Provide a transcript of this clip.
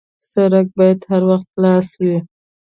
سړک باید هر وخت خلاص وي.